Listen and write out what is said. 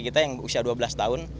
kita yang usia dua belas tahun